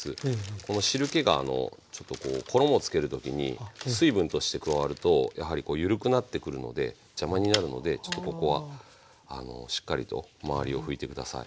この汁けがちょっとこう衣をつける時に水分として加わるとやはりこう緩くなってくるので邪魔になるのでちょっとここはしっかりと周りを拭いて下さい。